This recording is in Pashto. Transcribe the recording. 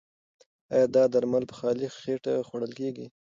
ایا دا درمل په خالي خېټه خوړل کیږي؟